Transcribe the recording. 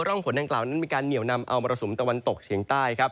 ร่องฝนดังกล่าวนั้นมีการเหนียวนำเอามรสุมตะวันตกเฉียงใต้ครับ